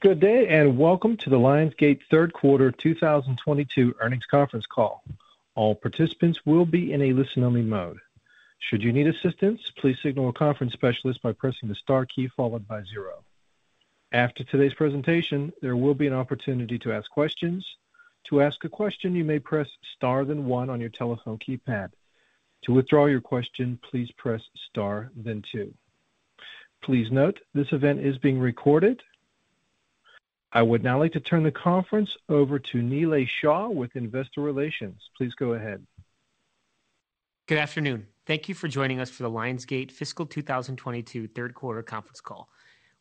Good day, and welcome to the Lionsgate Q3 2022 earnings conference call. All participants will be in a listen-only mode. Should you need assistance, please signal a conference specialist by pressing the star key followed by zero. After today's presentation, there will be an opportunity to ask questions. To ask a question, you may press star, then one on your telephone keypad. To withdraw your question, please press star, then two. Please note, this event is being recorded. I would now like to turn the conference over to Nilay Shah with Investor Relations. Please go ahead. Good afternoon. Thank you for joining us for the Lionsgate fiscal 2022 Q3 conference call.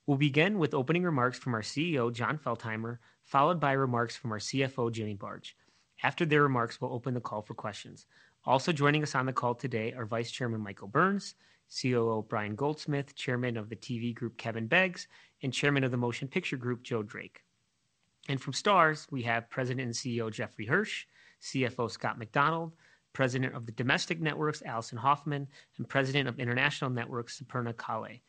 We'll begin with opening remarks from our CEO, Jon Feltheimer, followed by remarks from our CFO, Jimmy Barge. After their remarks, we'll open the call for questions. Also joining us on the call today are Vice Chairman Michael Burns, COO Brian Goldsmith, Chairman of the TV Group Kevin Beggs, and Chairman of the Motion Picture Group Joe Drake. From STARZ, we have President and CEO Jeffrey Hirsch, CFO Scott MacDonald, President of the Domestic Networks Alison Hoffman, and President of International Networks Suparna Kulkarni.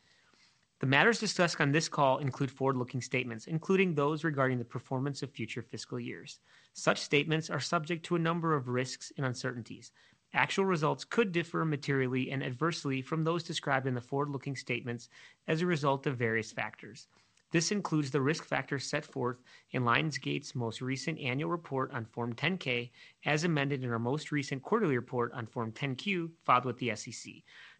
The matters discussed on this call include forward-looking statements, including those regarding the performance of future fiscal years. Such statements are subject to a number of risks and uncertainties. Actual results could differ materially and adversely from those described in the forward-looking statements as a result of various factors. This includes the risk factors set forth in Lionsgate's most recent annual report on Form 10-K, as amended in our most recent quarterly report on Form 10-Q filed with the SEC.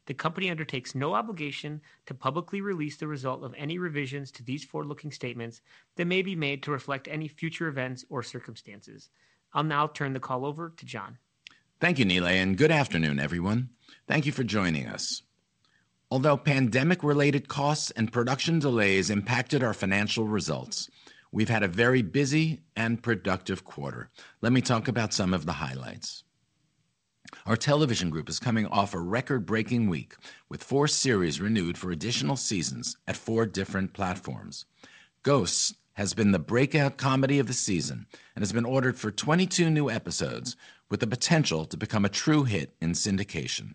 The company undertakes no obligation to publicly release the result of any revisions to these forward-looking statements that may be made to reflect any future events or circumstances. I'll now turn the call over to Jon. Thank you, Nilay, and good afternoon, everyone. Thank you for joining us. Although pandemic-related costs and production delays impacted our financial results, we've had a very busy and productive quarter. Let me talk about some of the highlights. Our television group is coming off a record-breaking week with four series renewed for additional seasons at four different platforms. Ghosts has been the breakout comedy of the season and has been ordered for 22 new episodes with the potential to become a true hit in syndication.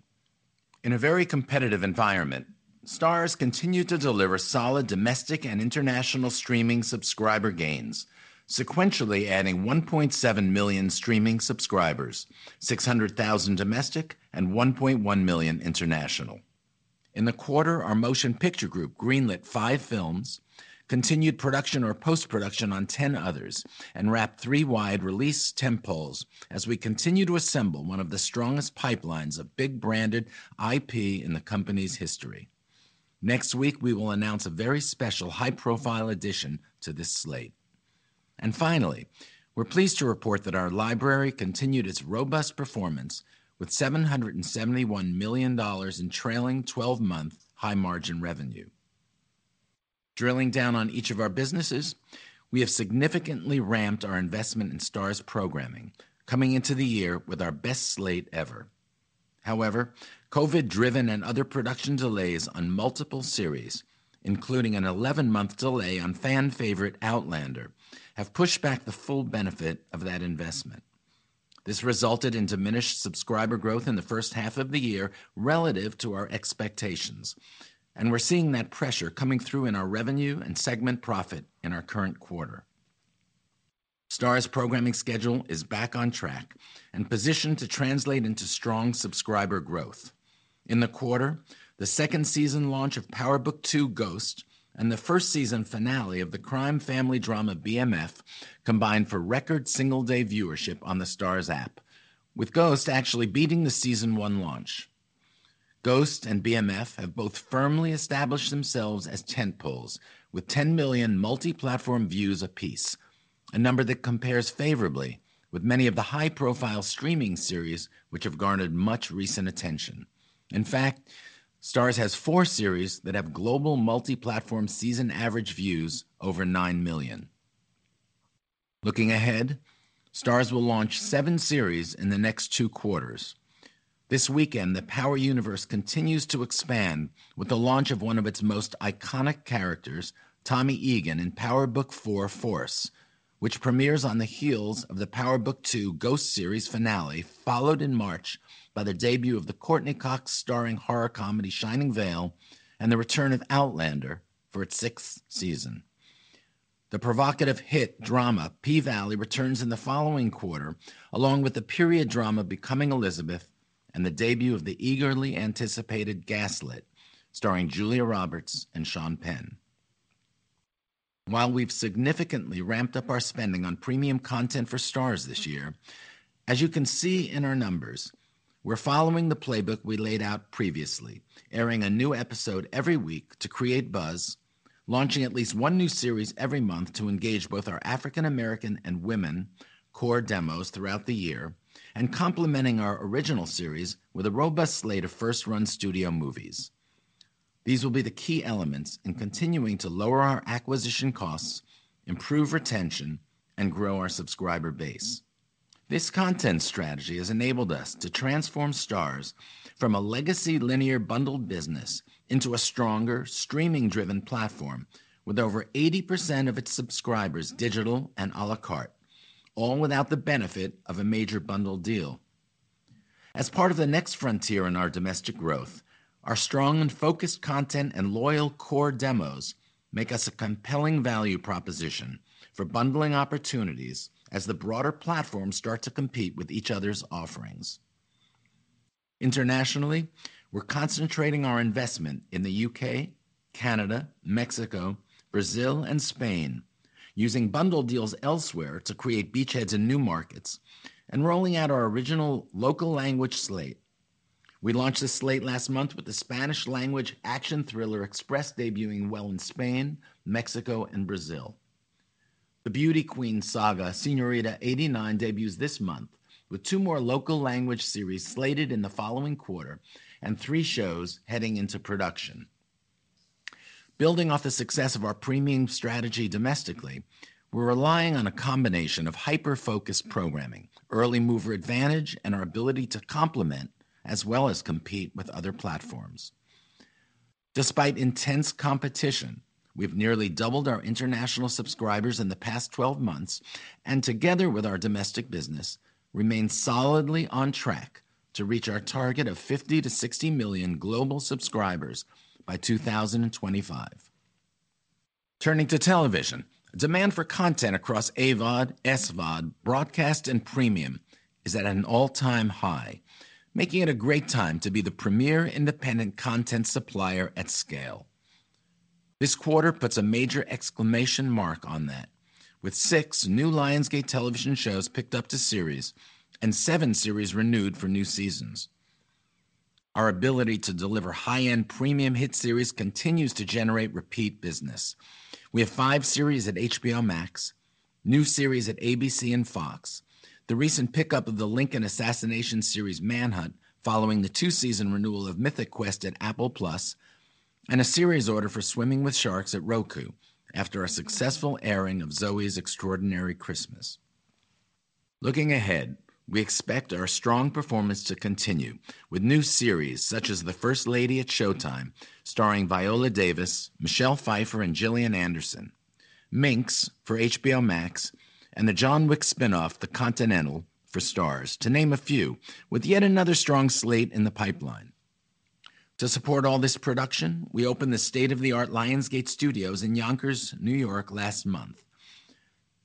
In a very competitive environment, STARZ continued to deliver solid domestic and international streaming subscriber gains, sequentially adding 1.7 million streaming subscribers, 600,000 domestic and 1.1 million international. In the quarter, our Motion Picture Group greenlit five films, continued production or post-production on 10 others, and wrapped three wide release tentpoles as we continue to assemble one of the strongest pipelines of big branded IP in the company's history. Next week, we will announce a very special high-profile addition to this slate. Finally, we're pleased to report that our library continued its robust performance with $771 million in trailing twelve-month high-margin revenue. Drilling down on each of our businesses, we have significantly ramped our investment in STARZ programming, coming into the year with our best slate ever. However, COVID driven and other production delays on multiple series, including an 11-month delay on fan favorite Outlander, have pushed back the full benefit of that investment. This resulted in diminished subscriber growth in the first half of the year relative to our expectations, and we're seeing that pressure coming through in our revenue and segment profit in our current quarter. STARZ programming schedule is back on track and positioned to translate into strong subscriber growth. In the quarter, the second season launch of Power Book II Ghost and the first season finale of the crime family drama BMF combined for record single day viewership on the STARZ app, with Ghost actually beating the season one launch. Ghost and BMF have both firmly established themselves as tentpoles with 10 million multi-platform views apiece, a number that compares favorably with many of the high-profile streaming series which have garnered much recent attention. In fact, STARZ has four series that have global multi-platform season average views over nine million. Looking ahead, STARZ will launch seven series in the next two quarters. This weekend, the Power universe continues to expand with the launch of one of its most iconic characters, Tommy Egan, in Power Book IV: Force, which premieres on the heels of the Power Book II: Ghost series finale, followed in March by the debut of the Courteney Cox starring horror comedy Shining Vale and the return of Outlander for its sixth season. The provocative hit drama P-Valley returns in the following quarter, along with the period drama Becoming Elizabeth and the debut of the eagerly anticipated Gaslit, starring Julia Roberts and Sean Penn. While we've significantly ramped up our spending on premium content for STARZ this year, as you can see in our numbers, we're following the playbook we laid out previously, airing a new episode every week to create buzz, launching at least one new series every month to engage both our African American and women core demos throughout the year, and complementing our original series with a robust slate of first-run studio movies. These will be the key elements in continuing to lower our acquisition costs, improve retention, and grow our subscriber base. This content strategy has enabled us to transform STARZ from a legacy linear bundled business into a stronger streaming-driven platform with over 80% of its subscribers digital and a la carte, all without the benefit of a major bundle deal. As part of the next frontier in our domestic growth, our strong and focused content and loyal core demos make us a compelling value proposition for bundling opportunities as the broader platforms start to compete with each other's offerings. Internationally, we're concentrating our investment in the UK, Canada, Mexico, Brazil, and Spain, using bundle deals elsewhere to create beachheads in new markets and rolling out our original local language slate. We launched this slate last month with the Spanish language action thriller Express debuting well in Spain, Mexico, and Brazil. The Beauty Queen Saga, Señorita 89, debuts this month, with two more local language series slated in the following quarter and three shows heading into production. Building off the success of our premium strategy domestically, we're relying on a combination of hyper-focused programming, early mover advantage, and our ability to complement as well as compete with other platforms. Despite intense competition, we've nearly doubled our international subscribers in the past 12 months, and together with our domestic business, remain solidly on track to reach our target of 50 million to 60 million global subscribers by 2025. Turning to television, demand for content across AVOD, SVOD, broadcast, and premium is at an all-time high, making it a great time to be the premier independent content supplier at scale. This quarter puts a major exclamation mark on that, with six new Lionsgate television shows picked up to series and seven series renewed for new seasons. Our ability to deliver high-end premium hit series continues to generate repeat business. We have five series at HBO Max, new series at ABC and Fox, the recent pickup of the Lincoln assassination series Manhunt following the two-season renewal of Mythic Quest at Apple TV+, and a series order for Swimming with Sharks at Roku after a successful airing of Zoey's Extraordinary Christmas. Looking ahead, we expect our strong performance to continue with new series such as The First Lady at Showtime, starring Viola Davis, Michelle Pfeiffer, and Gillian Anderson, Minx for HBO Max, and the John Wick spin-off, The Continental for STARZ, to name a few, with yet another strong slate in the pipeline. To support all this production, we opened the state-of-the-art Lionsgate Studios in Yonkers, New York last month.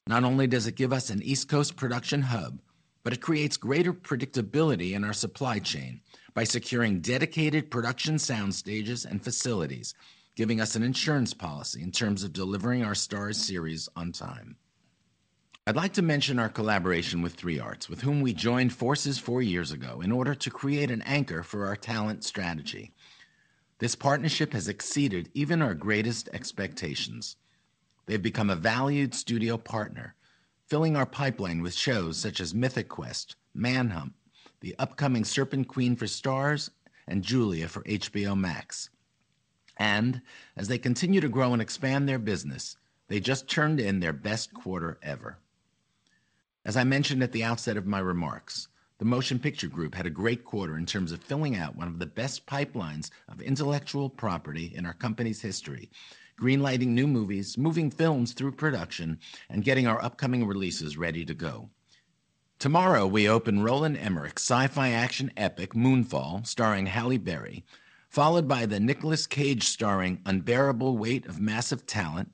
Not only does it give us an East Coast production hub, but it creates greater predictability in our supply chain by securing dedicated production sound stages and facilities, giving us an insurance policy in terms of delivering our STARZ series on time. I'd like to mention our collaboration with Three Arts, with whom we joined forces four years ago in order to create an anchor for our talent strategy. This partnership has exceeded even our greatest expectations. They've become a valued studio partner, filling our pipeline with shows such as Mythic Quest, Manhunt, the upcoming Serpent Queen for STARZ, and Julia for HBO Max. As they continue to grow and expand their business, they just turned in their best quarter ever. As I mentioned at the outset of my remarks, the Motion Picture Group had a great quarter in terms of filling out one of the best pipelines of intellectual property in our company's history, green-lighting new movies, moving films through production, and getting our upcoming releases ready to go. Tomorrow, we open Roland Emmerich's sci-fi action epic Moonfall, starring Halle Berry, followed by the Nicolas Cage-starring The Unbearable Weight of Massive Talent,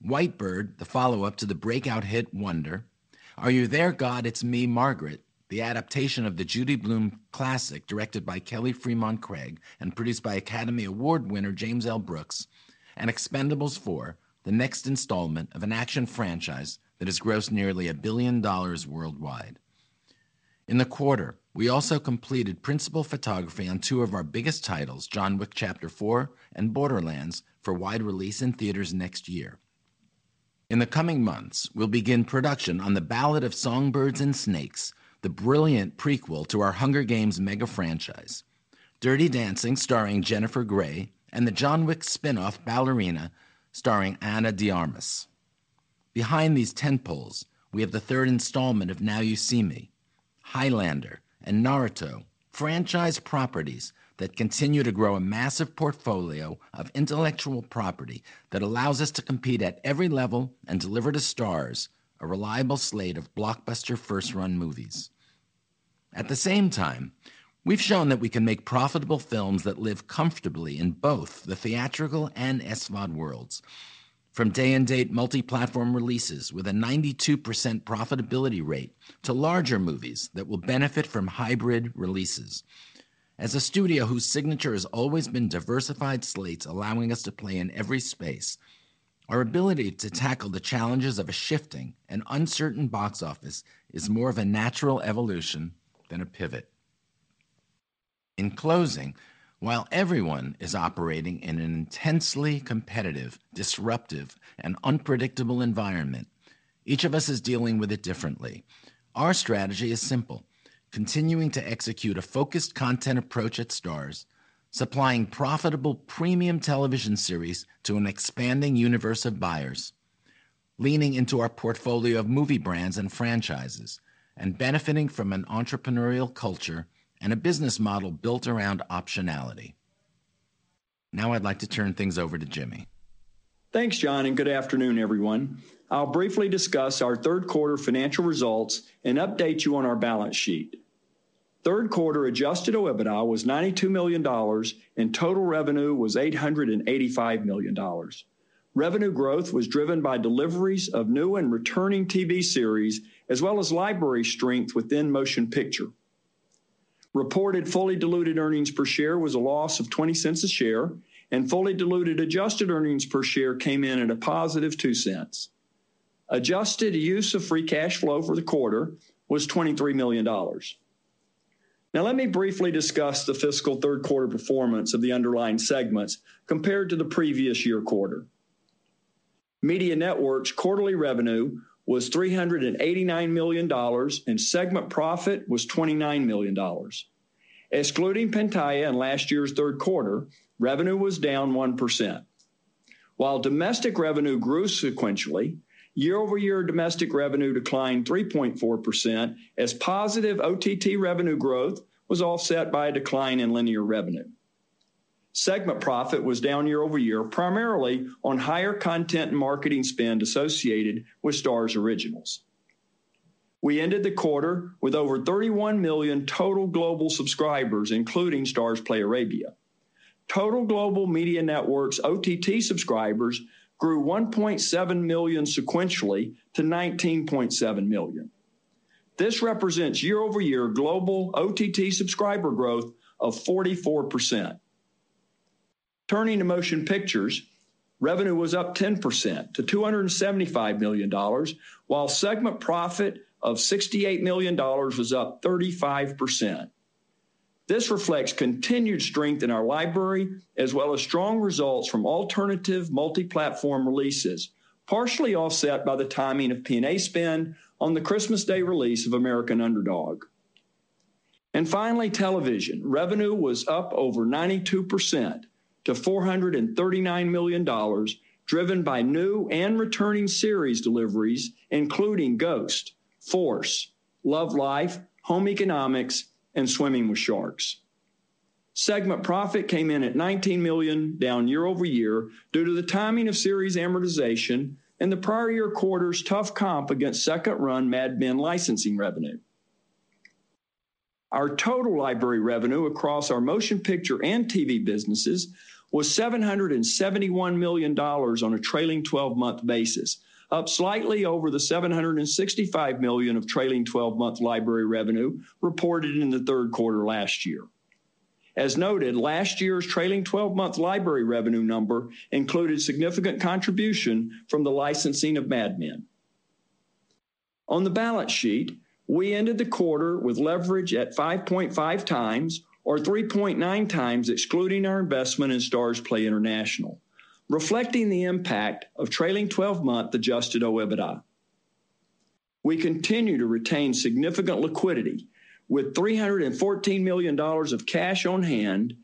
White Bird, the follow-up to the breakout hit Wonder, Are You There God? It's Me, Margaret, the adaptation of the Judy Blume classic directed by Kelly Fremon Craig and produced by Academy Award winner James L. Brooks, and Expend4bles, the next installment of an action franchise that has grossed nearly $1 billion worldwide. In the quarter, we also completed principal photography on two of our biggest titles, John Wick: Chapter 4 and Borderlands, for wide release in theaters next year. In the coming months, we'll begin production on The Ballad of Songbirds and Snakes, the brilliant prequel to our Hunger Games mega franchise, Dirty Dancing, starring Jennifer Grey, and the John Wick spin-off Ballerina, starring Ana de Armas. Behind these tentpoles, we have the third installment of Now You See Me, Highlander, and Naruto, franchise properties that continue to grow a massive portfolio of intellectual property that allows us to compete at every level and deliver to STARZ a reliable slate of blockbuster first-run movies. At the same time, we've shown that we can make profitable films that live comfortably in both the theatrical and SVOD worlds, from day-and-date multi-platform releases with a 92% profitability rate to larger movies that will benefit from hybrid releases. As a studio whose signature has always been diversified slates allowing us to play in every space, our ability to tackle the challenges of a shifting and uncertain box office is more of a natural evolution than a pivot. In closing, while everyone is operating in an intensely competitive, disruptive, and unpredictable environment, each of us is dealing with it differently. Our strategy is simple, continuing to execute a focused content approach at STARZ, supplying profitable premium television series to an expanding universe of buyers, leaning into our portfolio of movie brands and franchises, and benefiting from an entrepreneurial culture and a business model built around optionality. Now I'd like to turn things over to Jimmy. Thanks, John, and good afternoon, everyone. I'll briefly discuss our Q3 financial results and update you on our balance sheet. Q3 adjusted OIBDA was $92 million, and total revenue was $885 million. Revenue growth was driven by deliveries of new and returning TV series, as well as library strength within Motion Picture. Reported fully diluted earnings per share was a loss of $0.20 a share, and fully diluted adjusted earnings per share came in at a positive $0.02. Adjusted use of free cash flow for the quarter was $23 million. Now, let me briefly discuss the fiscal Q3 performance of the underlying segments compared to the previous year quarter. Media Networks quarterly revenue was $389 million, and segment profit was $29 million. Excluding Pantaya in last year's Q3, revenue was down 1%. While domestic revenue grew sequentially, year-over-year domestic revenue declined 3.4% as positive OTT revenue growth was offset by a decline in linear revenue. Segment profit was down year-over-year, primarily on higher content and marketing spend associated with STARZ originals. We ended the quarter with over 31 million total global subscribers, including STARZPLAY Arabia. Total global media networks OTT subscribers grew 1.7 million sequentially to 19.7 million. This represents year-over-year global OTT subscriber growth of 44%. Turning to Motion Pictures, revenue was up 10% to $275 million, while segment profit of $68 million was up 35%. This reflects continued strength in our library, as well as strong results from alternative multi-platform releases, partially offset by the timing of P&A spend on the Christmas Day release of American Underdog. Finally, television. Revenue was up over 92% to $439 million, driven by new and returning series deliveries, including Ghost, Force, Love Life, Home Economics, and Swimming with Sharks. Segment profit came in at $19 million, down year-over-year, due to the timing of series amortization and the prior year quarter's tough comp against second-run Mad Men licensing revenue. Our total library revenue across our Motion Picture and TV businesses was $771 million on a trailing-twelve-month basis, up slightly over the $765 million of trailing 12 month library revenue reported in the Q3 last year. As noted, last year's trailing-twelve-month library revenue number included significant contribution from the licensing of Mad Men. On the balance sheet, we ended the quarter with leverage at 5.5x or 3.9x, excluding our investment in STARZPLAY International, reflecting the impact of trailing 12 month adjusted OIBDA. We continue to retain significant liquidity with $314 million of cash on hand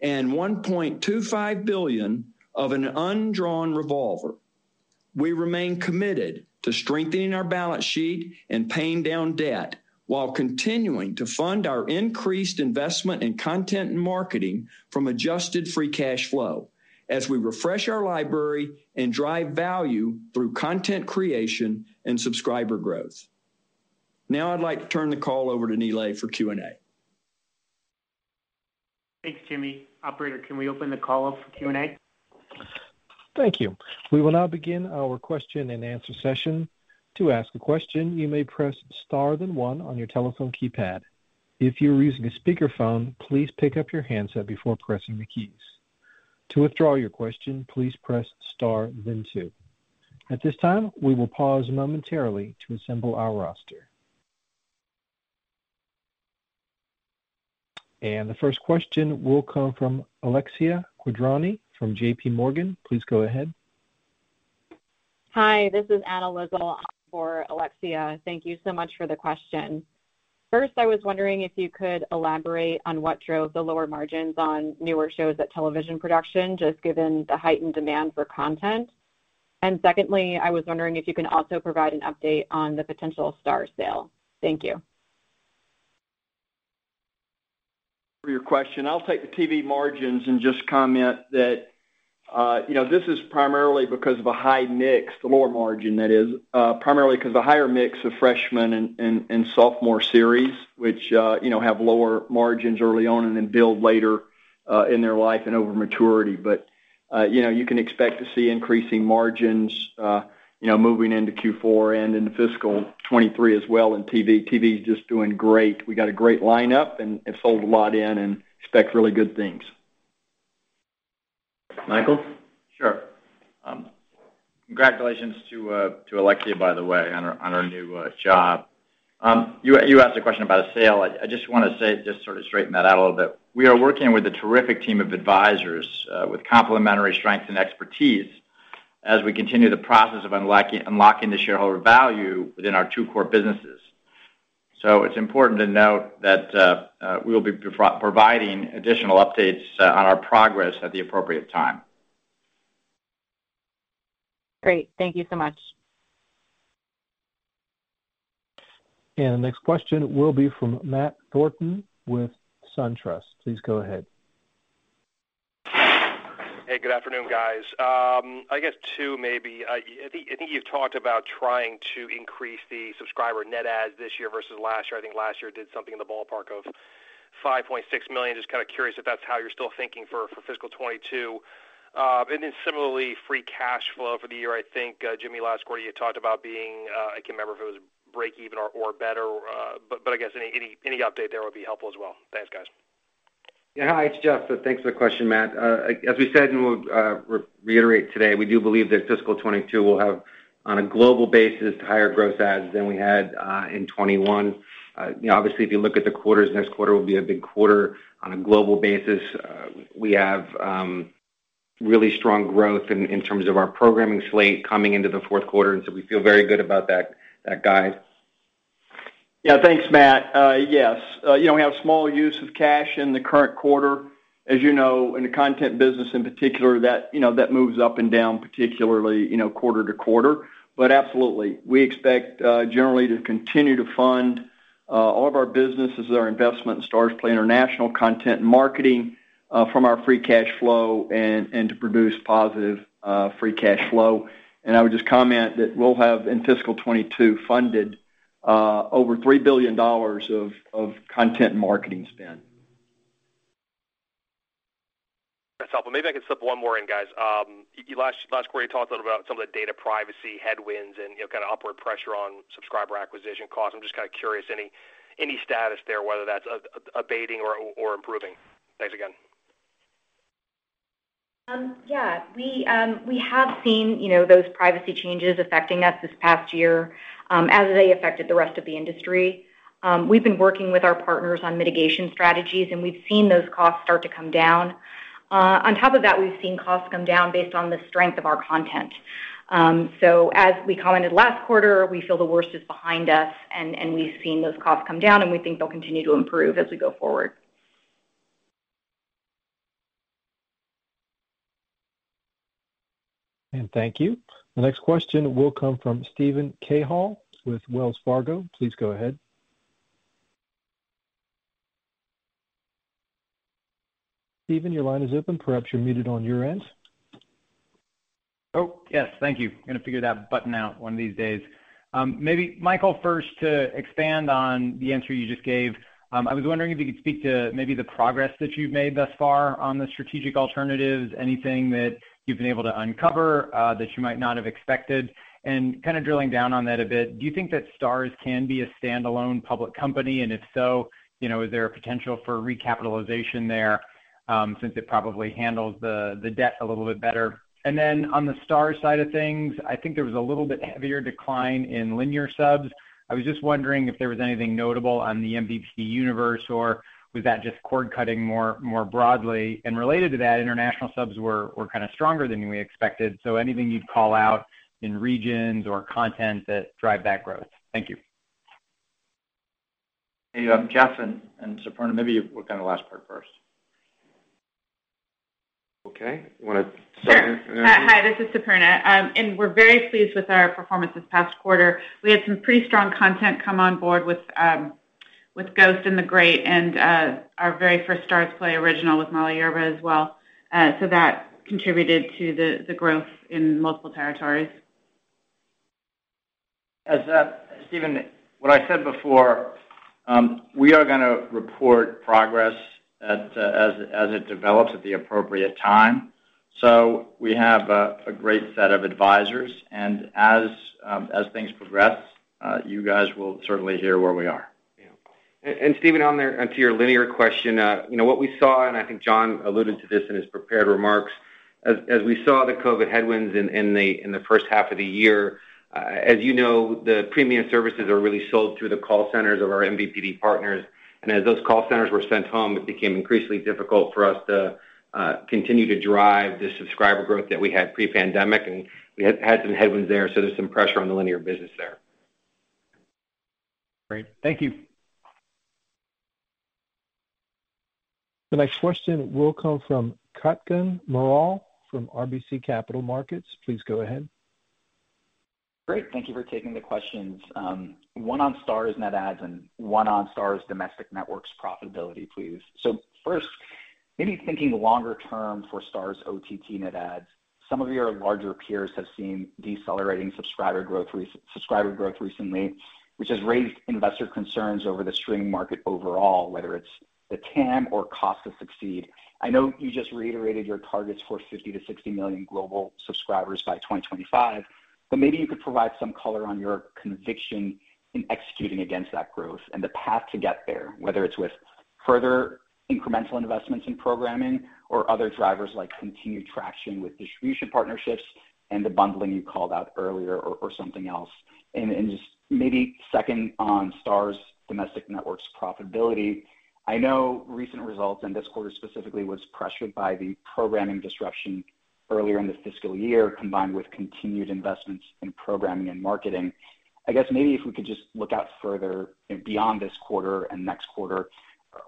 and $1.25 billion of an undrawn revolver. We remain committed to strengthening our balance sheet and paying down debt while continuing to fund our increased investment in content and marketing from adjusted free cash flow as we refresh our library and drive value through content creation and subscriber growth. Now I'd like to turn the call over to Nilay for Q&A. Thanks, Jimmy. Operator, can we open the call up for Q&A? Thank you. We will now begin our question-and-answer session. To ask a question, you may press star then one on your telephone keypad. If you are using a speakerphone, please pick up your handset before pressing the keys. To withdraw your question, please press star then two. At this time, we will pause momentarily to assemble our roster. The first question will come from Alexia Quadrani from JPMorgan. Please go ahead. Hi, this is Annaliese for Alexia. Thank you so much for the question. First, I was wondering if you could elaborate on what drove the lower margins on newer shows at television production, just given the heightened demand for content. Secondly, I was wondering if you can also provide an update on the potential STARZ sale. Thank you. For your question. I'll take the TV margins and just comment that, you know, this is primarily because of a high mix, the lower margin that is, primarily 'cause the higher mix of freshman and sophomore series, which, you know, have lower margins early on and then build later, in their life and over maturity. You can expect to see increasing margins, you know, moving into Q4 and into fiscal 2023 as well in TV. TV is just doing great. We got a great lineup and sold a lot in and expect really good things. Michael? Sure. Congratulations to Alexia, by the way, on her new job. You asked a question about a sale. I just wanna say just sort of straighten that out a little bit. We are working with a terrific team of advisors with complementary strength and expertise as we continue the process of unlocking the shareholder value within our two core businesses. It's important to note that we'll be providing additional updates on our progress at the appropriate time. Great. Thank you so much. The next question will be from Matthew Thornton with SunTrust. Please go ahead. Hey, good afternoon, guys. I think you've talked about trying to increase the subscriber net adds this year versus last year. I think last year did something in the ballpark of 5.6 million. Just kinda curious if that's how you're still thinking for fiscal 2022. And then similarly, free cash flow for the year. I think Jimmy, last quarter you had talked about being. I can't remember if it was breakeven or better. But I guess any update there would be helpful as well. Thanks, guys. Yeah. Hi, it's Jeff. Thanks for the question, Matt. As we said, and we'll reiterate today, we do believe that fiscal 2022 will have, on a global basis, higher gross adds than we had in 2021. You know, obviously, if you look at the quarters, next quarter will be a big quarter on a global basis. We have really strong growth in terms of our programming slate coming into the Q4, and so we feel very good about that guide. Yeah. Thanks, Matt. Yes, you know, we have small use of cash in the current quarter. As you know, in the content business in particular, that moves up and down particularly, quarter to quarter. Absolutely, we expect generally to continue to fund all of our businesses and our investment in STARZPLAY international content and marketing from our free cash flow and to produce positive free cash flow. I would just comment that we'll have, in fiscal 2022, funded over $3 billion of content and marketing spend. That's helpful. Maybe I can slip one more in, guys. You last quarter you talked a little about some of the data privacy headwinds and, you know, kind of upward pressure on subscriber acquisition costs. I'm just kinda curious any status there, whether that's abating or improving. Thanks again. Yeah. We have seen, you know, those privacy changes affecting us this past year, as they affected the rest of the industry. We've been working with our partners on mitigation strategies, and we've seen those costs start to come down. On top of that, we've seen costs come down based on the strength of our content. As we commented last quarter, we feel the worst is behind us and we've seen those costs come down, and we think they'll continue to improve as we go forward. Thank you. The next question will come from Steven Cahall with Wells Fargo. Please go ahead. Steven, your line is open. Perhaps you're muted on your end. Oh, yes. Thank you. Gonna figure that button out one of these days. Maybe Michael first to expand on the answer you just gave. I was wondering if you could speak to maybe the progress that you've made thus far on the strategic alternatives, anything that you've been able to uncover, that you might not have expected. Kinda drilling down on that a bit, do you think that STARZ can be a standalone public company? If so, you know, is there a potential for recapitalization there, since it probably handles the debt a little bit better? Then on the STARZ side of things, I think there was a little bit heavier decline in linear subs. I was just wondering if there was anything notable on the MVPD universe, or was that just cord-cutting more broadly? Related to that, international subs were kinda stronger than we expected, so anything you'd call out in regions or content that drive that growth? Thank you. Hey, Jeff and Suparna, maybe you work on the last part first. Okay. You wanna start. Sure. Hi, this is Suparna. We're very pleased with our performance this past quarter. We had some pretty strong content come on board with Ghost and The Great and our very first STARZPLAY original with Molly Yerba as well. That contributed to the growth in multiple territories. Steven, what I said before, we are gonna report progress as it develops at the appropriate time. We have a great set of advisors, and as things progress, you guys will certainly hear where we are. Yeah. Steven, onto your linear question, you know, what we saw, and I think John alluded to this in his prepared remarks, as we saw the COVID headwinds in the first half of the year, as you know, the premium services are really sold through the call centers of our MVPD partners. As those call centers were sent home, it became increasingly difficult for us to continue to drive the subscriber growth that we had pre-pandemic, and we had some headwinds there, so there's some pressure on the linear business there. Great. Thank you. The next question will come from Kutgun Maral from RBC Capital Markets. Please go ahead. Great. Thank you for taking the questions. One on STARZ net adds and one on STARZ domestic networks profitability, please. First, maybe thinking longer term for STARZ OTT net adds, some of your larger peers have seen decelerating subscriber growth recently, which has raised investor concerns over the streaming market overall, whether it's the TAM or cost to succeed. I know you just reiterated your targets for 50 million to 60 million global subscribers by 2025, but maybe you could provide some color on your conviction in executing against that growth and the path to get there, whether it's with further incremental investments in programming or other drivers like continued traction with distribution partnerships and the bundling you called out earlier or something else. Just maybe second on STARZ Domestic Networks profitability, I know recent results in this quarter specifically was pressured by the programming disruption earlier in the fiscal year, combined with continued investments in programming and marketing. I guess maybe if we could just look out further beyond this quarter and next quarter,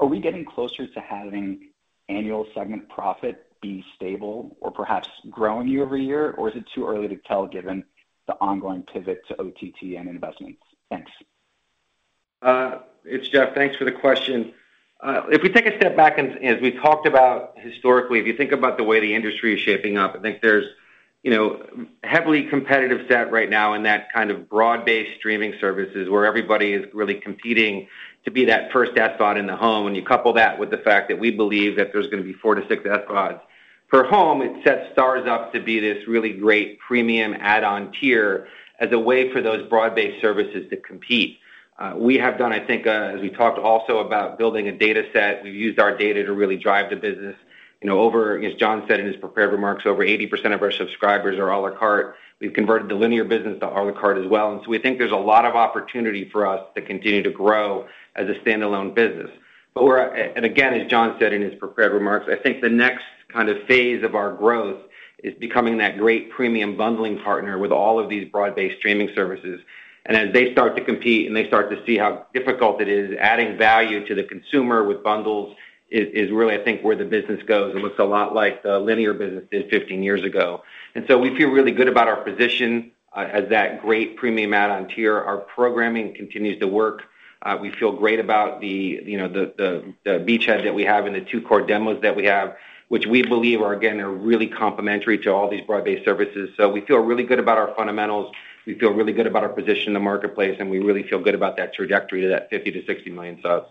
are we getting closer to having annual segment profit be stable or perhaps growing year-over-year, or is it too early to tell given the ongoing pivot to OTT and investments? Thanks. It's Jeff. Thanks for the question. If we take a step back and, as we talked about historically, if you think about the way the industry is shaping up, I think there's, you know, heavily competitive set right now in that kind of broad-based streaming services where everybody is really competing to be that first SVOD in the home. You couple that with the fact that we believe that there's gonna be four to six SVODs per home, it sets STARZ up to be this really great premium add-on tier as a way for those broad-based services to compete. We have done, I think, as we talked also about building a data set. We've used our data to really drive the business. You know, as John said in his prepared remarks, over 80% of our subscribers are À La Carte. We've converted the linear business to À La Carte as well. We think there's a lot of opportunity for us to continue to grow as a standalone business. Again, as John said in his prepared remarks, I think the next kind of phase of our growth is becoming that great premium bundling partner with all of these broad-based streaming services. As they start to compete, and they start to see how difficult it is adding value to the consumer with bundles is really, I think, where the business goes. It looks a lot like the linear business did 15 years ago. We feel really good about our position as that great premium add-on tier. Our programming continues to work. We feel great about the, you know, beachhead that we have and the two core demos that we have, which we believe are really complementary to all these broad-based services. We feel really good about our fundamentals. We feel really good about our position in the marketplace, and we really feel good about that trajectory to that 50 million to 60 million subs.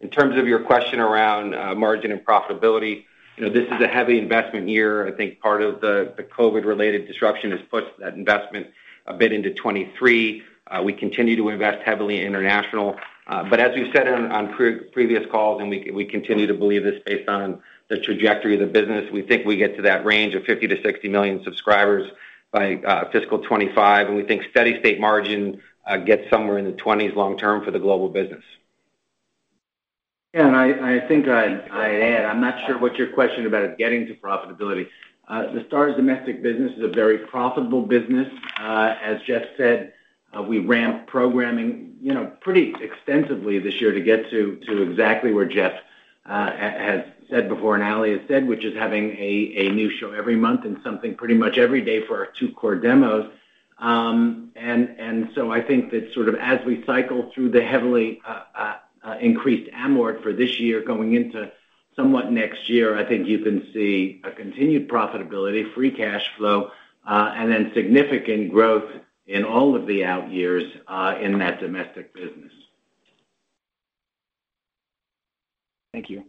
In terms of your question around margin and profitability, you know, this is a heavy investment year. I think part of the COVID-related disruption has pushed that investment a bit into 2023. We continue to invest heavily in international. as we've said on previous calls, we continue to believe this based on the trajectory of the business, we think we get to that range of 50 million to 60 million subscribers by fiscal 2025, and we think steady-state margin gets somewhere in the 20% long term for the global business. Yeah. I think I'd add, I'm not sure what your question about getting to profitability. The STARZ domestic business is a very profitable business. As Jeff said, we ramped programming, you know, pretty extensively this year to get to exactly where Jeff has said before and Ali has said, which is having a new show every month and something pretty much every day for our two core demos. I think that sort of as we cycle through the heavily increased amort for this year going into somewhat next year, you can see a continued profitability, free cash flow, and then significant growth in all of the out years in that domestic business. Thank you.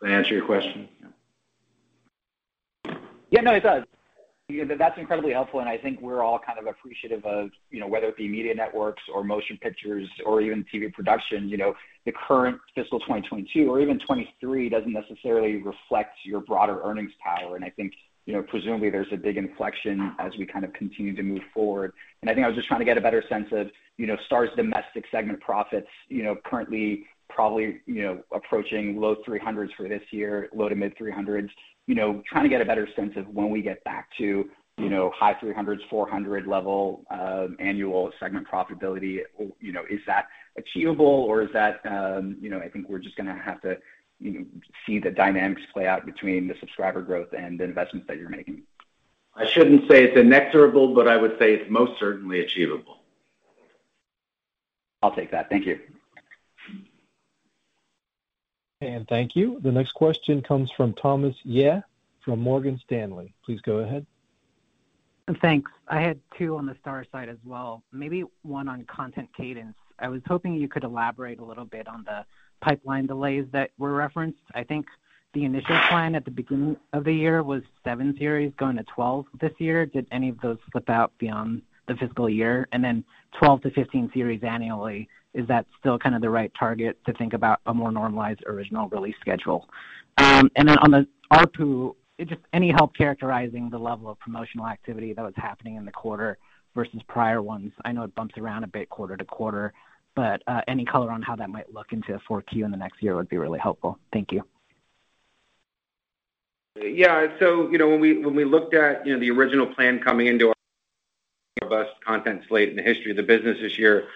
That answer. Did I answer your question? Yeah. No, it does. That's incredibly helpful, and I think we're all kind of appreciative of, you know, whether it be media networks or motion pictures or even TV production, you know, the current fiscal 2022 or even 2023 doesn't necessarily reflect your broader earnings power. I think, you know, presumably there's a big inflection as we kind of continue to move forward. I think I was just trying to get a better sense of, you know, STARZ domestic segment profits, you know, currently probably, you know, approaching low $300 for this year, low-to mid-$300s. You know, trying to get a better sense of when we get back to, you know, high $300, $400 level annual segment profitability. You know, is that achievable or is that, you know, I think we're just gonna have to, you know, see the dynamics play out between the subscriber growth and the investments that you're making. I shouldn't say it's inexorable, but I would say it's most certainly achievable. I'll take that. Thank you. Thank you. The next question comes from Thomas Yeh from Morgan Stanley. Please go ahead. Thanks. I had two on the STARZ side as well, maybe one on content cadence. I was hoping you could elaborate a little bit on the pipeline delays that were referenced. I think the initial plan at the beginning of the year was seven series going to 12 this year. Did any of those slip out beyond the fiscal year? 12 to 15 series annually, is that still kind of the right target to think about a more normalized original release schedule? On the ARPU, just any help characterizing the level of promotional activity that was happening in the quarter versus prior ones. I know it bumps around a bit quarter to quarter, but any color on how that might look into Q4 in the next year would be really helpful. Thank you. Yeah. You know, when we looked at the original plan coming into our robust content slate in the history of the business this year,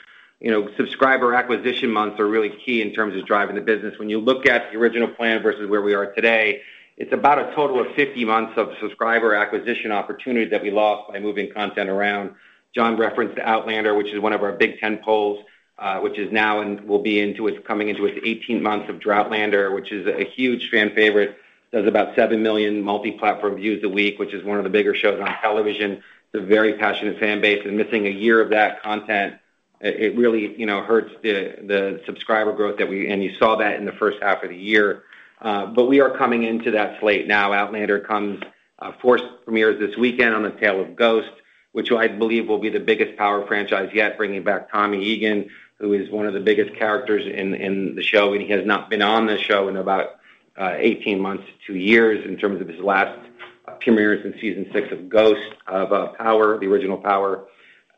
you know, subscriber acquisition months are really key in terms of driving the business. When you look at the original plan versus where we are today, it's about a total of 50 months of subscriber acquisition opportunity that we lost by moving content around. John referenced Outlander, which is one of our big tentpoles, which is now and will be coming into its 18 months of Droughtlander, which is a huge fan favorite. Does about seven million multi-platform views a week, which is one of the bigger shows on television. It's a very passionate fan base, and missing a year of that content, it really, you know, hurts the subscriber growth that we and you saw that in the first half of the year. We are coming into that slate now. Outlander comes, Force premieres this weekend on the tail of Ghost, which I believe will be the biggest Power franchise yet, bringing back Tommy Egan, who is one of the biggest characters in the show, and he has not been on this show in about 18 months to two years in terms of his last appearance in season six of Ghost of Power, the original Power.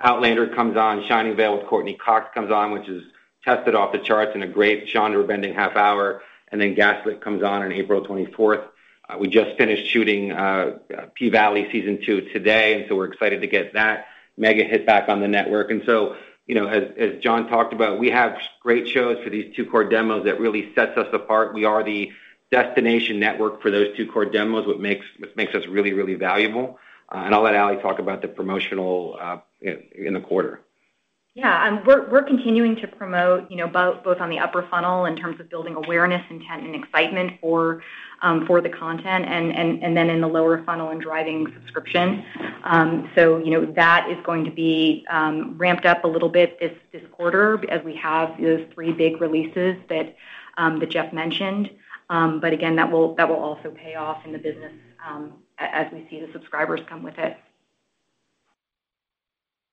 Outlander comes on. Shining Vale with Courteney Cox comes on, which has tested off the charts in a great genre-bending half hour. Gaslit comes on April 24. We just finished shooting P-Valley Season two today, and we're excited to get that mega hit back on the network. You know, as John talked about, we have great shows for these two core demos that really sets us apart. We are the destination network for those two core demos, what makes us really valuable. I'll let Ali talk about the promotion in the quarter. Yeah. We're continuing to promote, you know, both on the upper funnel in terms of building awareness, intent and excitement for the content and then in the lower funnel and driving subscription. You know, that is going to be ramped up a little bit this quarter as we have those three big releases that Jeff mentioned. Again, that will also pay off in the business as we see the subscribers come with it.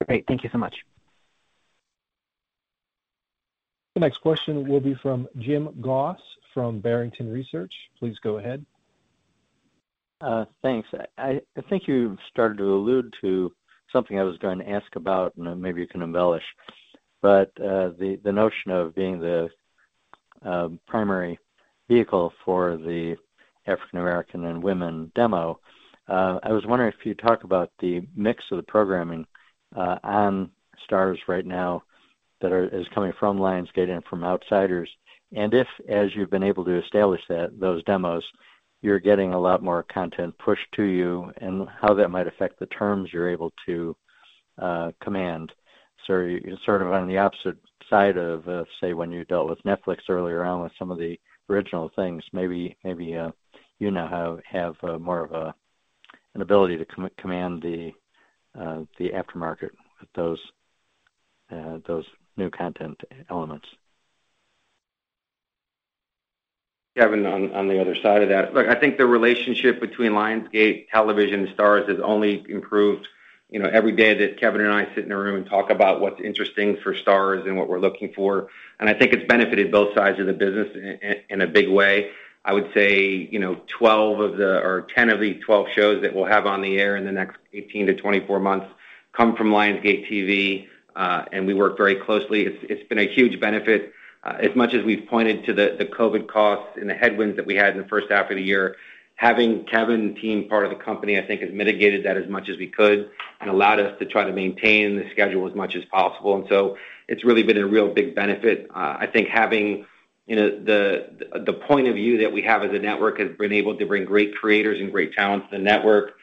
Great. Thank you so much. The next question will be from Jim Goss from Barrington Research. Please go ahead. Thanks. I think you started to allude to something I was going to ask about, and then maybe you can embellish. The notion of being the primary vehicle for the African American and women demo, I was wondering if you'd talk about the mix of the programming on STARZ right now that is coming from Lionsgate and from outsiders. If, as you've been able to establish that those demos, you're getting a lot more content pushed to you and how that might affect the terms you're able to command. You're sort of on the opposite side of say, when you dealt with Netflix earlier on with some of the original things, maybe you now have more of an ability to command the aftermarket with those new content elements. Kevin, on the other side of that. Look, I think the relationship between Lionsgate Television and STARZ has only improved. You know, every day that Kevin and I sit in a room and talk about what's interesting for STARZ and what we're looking for, and I think it's benefited both sides of the business in a big way. I would say, you know, 12 of the 10 of the 12 shows that we'll have on the air in the next 18 to 24 months come from Lionsgate TV, and we work very closely. It's been a huge benefit. As much as we've pointed to the COVID costs and the headwinds that we had in the first half of the year, having Kevin's team part of the company, I think, has mitigated that as much as we could and allowed us to try to maintain the schedule as much as possible. It's really been a real big benefit. I think having, you know, the point of view that we have as a network has been able to bring great creators and great talent to the network.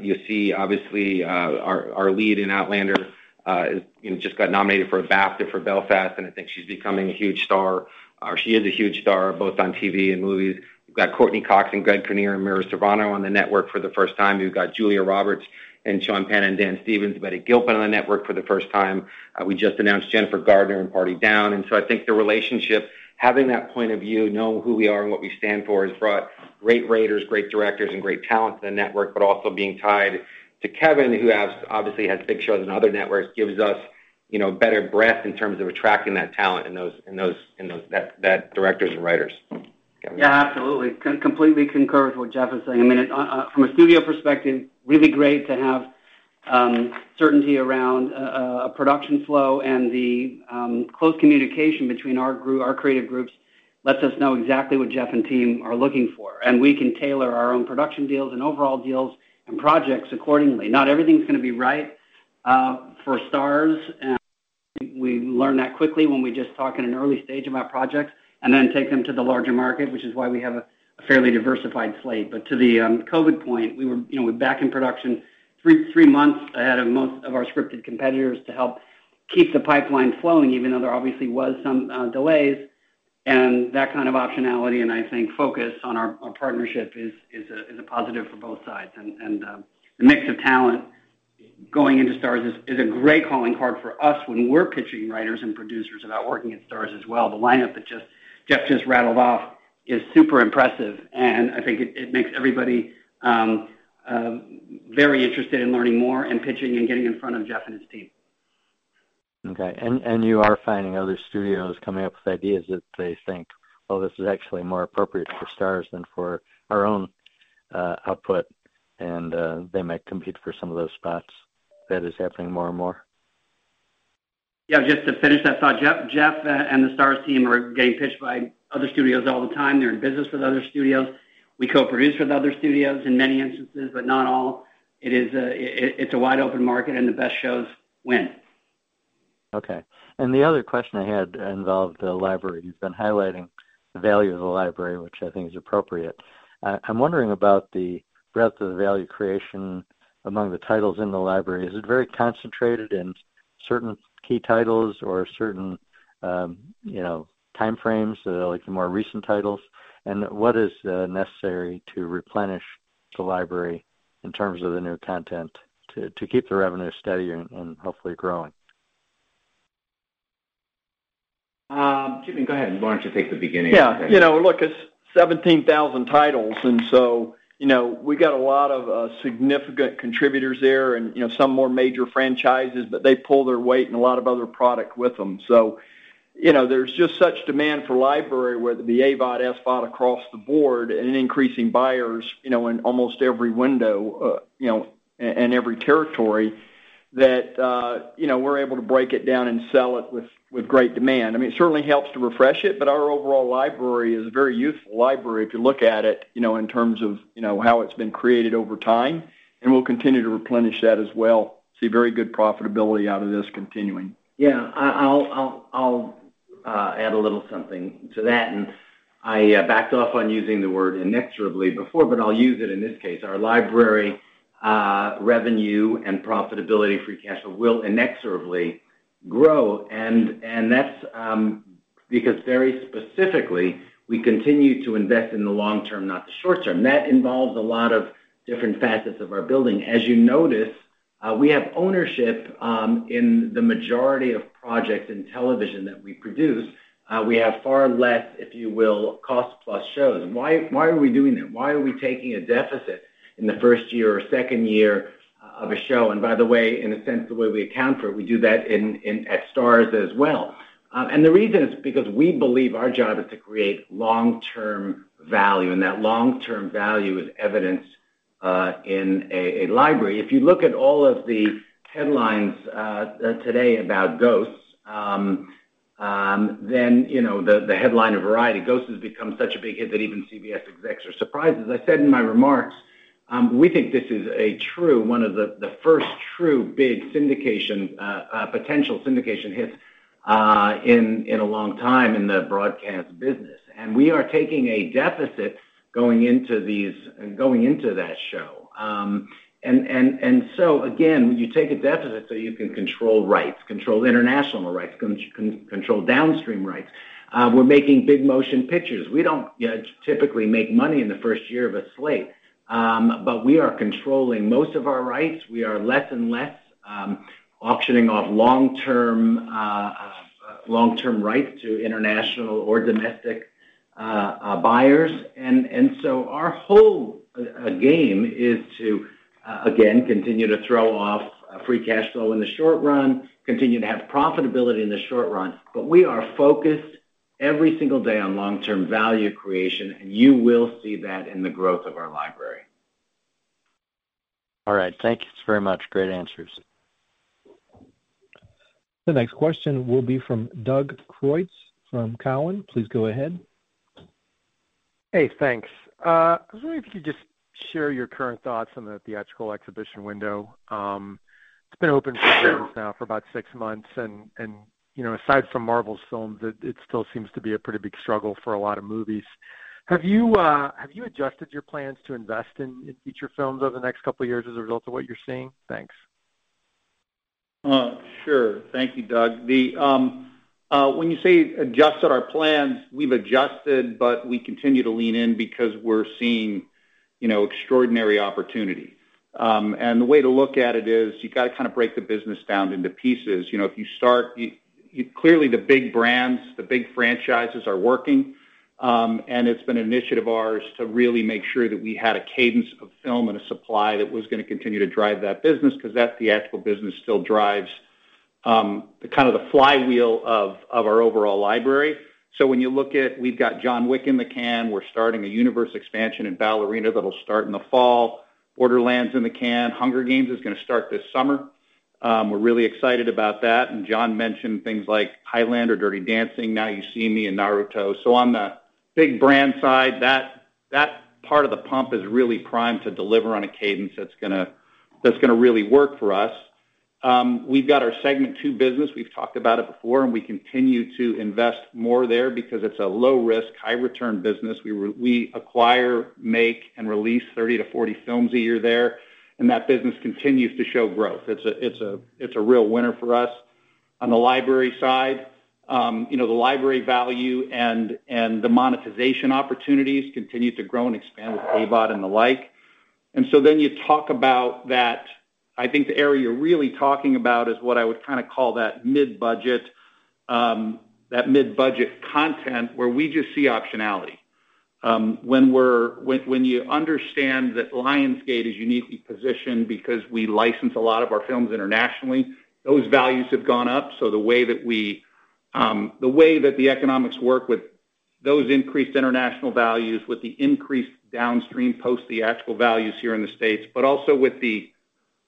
You see, obviously, our lead in Outlander, you know, just got nominated for a BAFTA for Belfast, and I think she's becoming a huge star, or she is a huge star, both on TV and movies. We've got Courteney Cox and Greg Kinnear and Mira Sorvino on the network for the first time. We've got Julia Roberts and Sean Penn and Dan Stevens, Betty Gilpin on the network for the first time. We just announced Jennifer Garner in Party Down. I think the relationship, having that point of view, knowing who we are and what we stand for, has brought great writers, great directors, and great talent to the network. Also being tied to Kevin, who obviously has big shows on other networks, gives us, you know, better breadth in terms of attracting that talent and that directors and writers. Kevin? Yeah, absolutely. Completely concur with what Jeff is saying. I mean, from a studio perspective, really great to have certainty around a production flow and the close communication between our group, our creative groups, lets us know exactly what Jeff and team are looking for, and we can tailor our own production deals and overall deals and projects accordingly. Not everything's gonna be right for STARZ, and we learn that quickly when we just talk in an early stage about projects and then take them to the larger market, which is why we have a fairly diversified slate. To the COVID point, we were you know back in production three months ahead of most of our scripted competitors to help keep the pipeline flowing, even though there obviously was some delays. That kind of optionality and I think focus on our partnership is a positive for both sides. The mix of talent going into STARZ is a great calling card for us when we're pitching writers and producers about working at STARZ as well. The lineup that Jeff just rattled off is super impressive, and I think it makes everybody very interested in learning more and pitching and getting in front of Jeff and his team. Okay. You are finding other studios coming up with ideas that they think, oh, this is actually more appropriate for Starz than for our own output, and they might compete for some of those spots. That is happening more and more. Yeah. Just to finish that thought, Jeff, and the STARZ team are getting pitched by other studios all the time. They're in business with other studios. We co-produce with other studios in many instances, but not all. It's a wide open market and the best shows win. Okay. The other question I had involved the library. You've been highlighting the value of the library, which I think is appropriate. I'm wondering about the breadth of the value creation among the titles in the library. Is it very concentrated in certain key titles or certain, you know, time frames, like the more recent titles? What is necessary to replenish the library in terms of the new content to keep the revenue steady and hopefully growing? Jimmy, go ahead. Why don't you take the beginning of that? Yeah. You know, look, it's 17,000 titles and so, you know, we got a lot of significant contributors there and, you know, some more major franchises, but they pull their weight and a lot of other product with them. So, you know, there's just such demand for library, whether it be AVOD, SVOD across the board and increasing buyers, you know, in almost every window, you know, and every territory. That, you know, we're able to break it down and sell it with great demand. I mean, it certainly helps to refresh it, but our overall library is a very useful library if you look at it, you know, in terms of, you know, how it's been created over time, and we'll continue to replenish that as well. We see very good profitability out of this continuing. Yeah. I'll add a little something to that. I backed off on using the word inexorably before, but I'll use it in this case. Our library revenue and profitability, free cash flow will inexorably grow, and that's because very specifically, we continue to invest in the long term, not the short term. That involves a lot of different facets of our building. As you notice, we have ownership in the majority of projects in television that we produce. We have far less, if you will, cost plus shows. Why are we doing that? Why are we taking a deficit in the first year or second year of a show? By the way, in a sense, the way we account for it, we do that at STARZ as well. The reason is because we believe our job is to create long-term value, and that long-term value is evidenced in a library. If you look at all of the headlines today about Ghosts, you know, the headline of Variety, "Ghosts has become such a big hit that even CBS execs are surprised." As I said in my remarks, we think this is one of the first true big syndication potential syndication hits in a long time in the broadcast business. We are taking a deficit going into that show. Again, you take a deficit so you can control rights, control international rights, control downstream rights. We're making big motion pictures. We don't typically make money in the first year of a slate, but we are controlling most of our rights. We are less and less auctioning off long-term rights to international or domestic buyers. Our whole game is to again continue to throw off free cash flow in the short run, continue to have profitability in the short run. We are focused every single day on long-term value creation, and you will see that in the growth of our library. All right. Thank you very much. Great answers. The next question will be from Doug Creutz from Cowen. Please go ahead. Hey, thanks. I was wondering if you could just share your current thoughts on the theatrical exhibition window. It's been open for business now for about six months, and you know, aside from Marvel's films, it still seems to be a pretty big struggle for a lot of movies. Have you adjusted your plans to invest in feature films over the next couple of years as a result of what you're seeing? Thanks. Sure. Thank you, Doug. When you say adjusted our plans, we've adjusted, but we continue to lean in because we're seeing, you know, extraordinary opportunity. The way to look at it is you gotta kinda break the business down into pieces. You know, clearly, the big brands, the big franchises are working, and it's been an initiative of ours to really make sure that we had a cadence of film and a supply that was gonna continue to drive that business because that theatrical business still drives the kind of the flywheel of our overall library. When you look at it, we've got John Wick in the can. We're starting a universe expansion in Ballerina that'll start in the fall. Borderlands in the can. Hunger Games is gonna start this summer. We're really excited about that. John mentioned things like Highlander, Dirty Dancing, Now You See Me, and Naruto. On the big brand side, that part of the pump is really primed to deliver on a cadence that's gonna really work for us. We've got our Segment Two business. We've talked about it before, and we continue to invest more there because it's a low risk, high return business. We acquire, make, and release 30 to 40 films a year there, and that business continues to show growth. It's a real winner for us. On the library side, you know, the library value and the monetization opportunities continue to grow and expand with AVOD and the like. You talk about that. I think the area you're really talking about is what I would kinda call that mid-budget content where we just see optionality. When you understand that Lionsgate is uniquely positioned because we license a lot of our films internationally, those values have gone up. The way that the economics work with those increased international values, with the increased downstream post-theatrical values here in the States, but also with the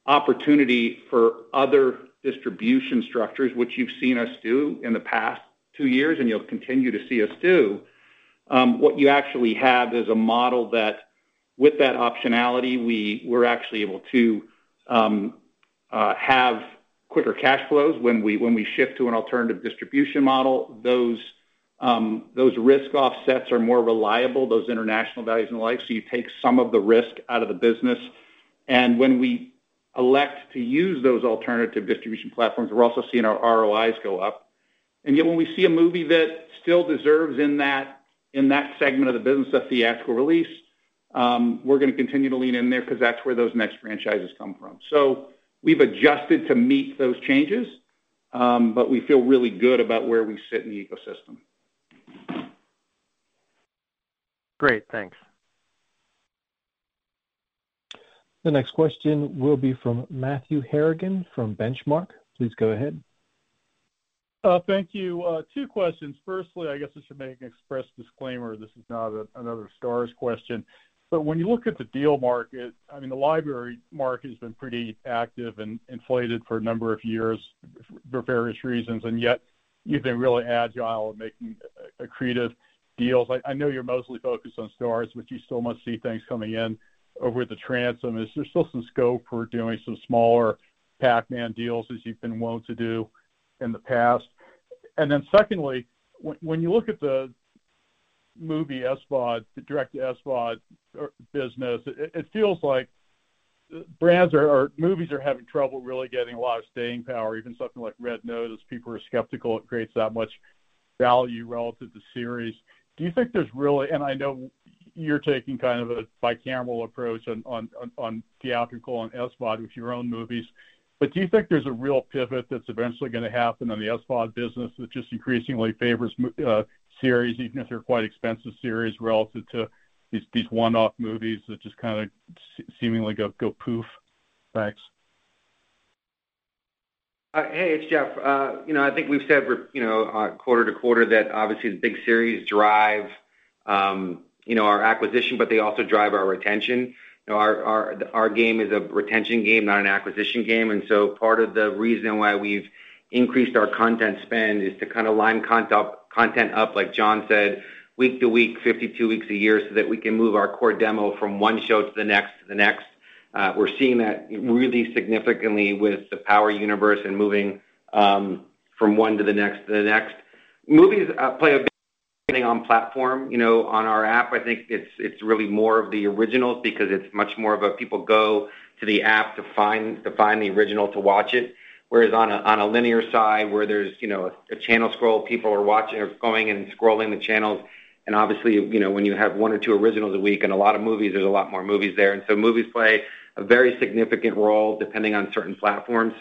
opportunity for other distribution structures, which you've seen us do in the past two years, and you'll continue to see us do, what you actually have is a model that with that optionality, we're actually able to have quicker cash flows when we shift to an alternative distribution model. Those risk offsets are more reliable, those international values and the like, so you take some of the risk out of the business. When we elect to use those alternative distribution platforms, we're also seeing our ROIs go up. Yet, when we see a movie that still deserves in that segment of the business, a theatrical release, we're gonna continue to lean in there because that's where those next franchises come from. We've adjusted to meet those changes, but we feel really good about where we sit in the ecosystem. Great. Thanks. The next question will be from Matthew Harrigan from Benchmark. Please go ahead. Thank you. Two questions. Firstly, I guess I should make an express disclaimer. This is not another STARZ question. When you look at the deal market, I mean, the library market has been pretty active and inflated for a number of years for various reasons, and yet you've been really agile at making accretive deals. I know you're mostly focused on Starz, but you still must see things coming in over the transom. Is there still some scope for doing some smaller Pac-Man deals as you've been wont to do in the past? And then secondly, when you look at the movie SVOD, the direct SVOD business, it feels like movies are having trouble really getting a lot of staying power. Even something like Red Notice, people are skeptical it creates that much value relative to series. Do you think there's really... I know you're taking kind of a bicameral approach on theatrical and SVOD with your own movies. But do you think there's a real pivot that's eventually gonna happen on the SVOD business that just increasingly favors series, even if they're quite expensive series relative to these one-off movies that just kinda seemingly go poof? Thanks. Hey, it's Jeff. You know, I think we've said from quarter to quarter that obviously the big series drive our acquisition, but they also drive our retention. You know, our game is a retention game, not an acquisition game. Part of the reason why we've increased our content spend is to kinda line content up, like John said, week to week, 52 weeks a year, so that we can move our core demo from one show to the next to the next. We're seeing that really significantly with the Power universe and moving from one to the next to the next. Movies play a big depending on platform. You know, on our app, I think it's really more of the originals because it's much more of a people go to the app to find the original to watch it. Whereas on a linear side where there's, you know, a channel scroll, people are watching or going and scrolling the channels. Obviously, you know, when you have one or two originals a week and a lot of movies, there's a lot more movies there. Movies play a very significant role depending on certain platforms.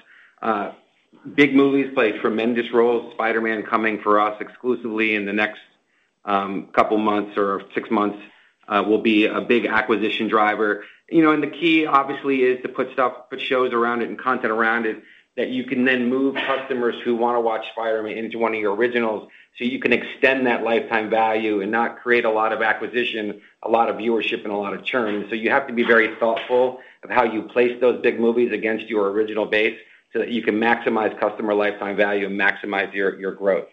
Big movies play a tremendous role. Spider-Man coming for us exclusively in the next couple months or six months will be a big acquisition driver. You know, the key obviously is to put shows around it and content around it that you can then move customers who wanna watch Spider-Man into one of your originals, so you can extend that lifetime value and not create a lot of acquisition, a lot of viewership, and a lot of churn. You have to be very thoughtful of how you place those big movies against your original base so that you can maximize customer lifetime value and maximize your growth.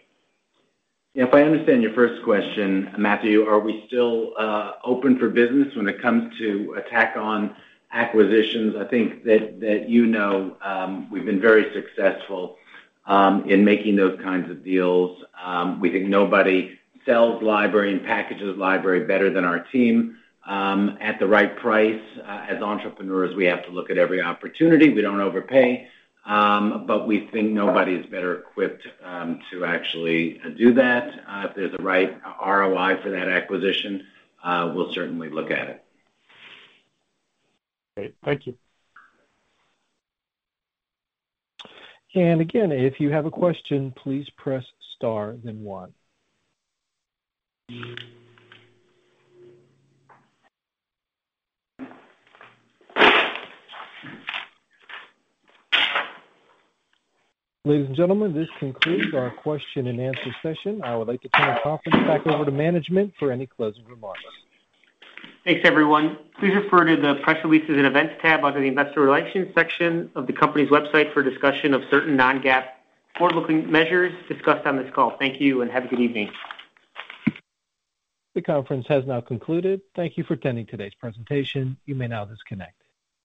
Yeah. If I understand your first question, Matthew, are we still open for business when it comes to add-on acquisitions? I think that you know, we've been very successful in making those kinds of deals. We think nobody sells library and packages library better than our team at the right price. As entrepreneurs, we have to look at every opportunity. We don't overpay, but we think nobody is better equipped to actually do that. If there's a right ROI for that acquisition, we'll certainly look at it. Great. Thank you. Again, if you have a question, please press star then one. Ladies and gentlemen, this concludes our question and answer session. I would like to turn the conference back over to management for any closing remarks. Thanks, everyone. Please refer to the press releases and events tab under the investor relations section of the company's website for a discussion of certain non-GAAP forward-looking measures discussed on this call. Thank you, and have a good evening. The conference has now concluded. Thank you for attending today's presentation. You may now disconnect.